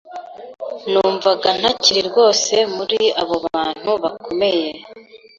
Numvaga ntakiri rwose muri abo bantu bakomeye.